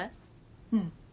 うん。